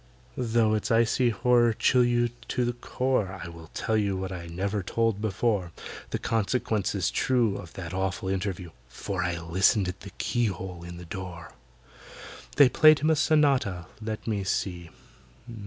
Though its icy horror chill you to the core, I will tell you what I never told before,— The consequences true Of that awful interview, For I listened at the keyhole in the door! They played him a sonata—let me see!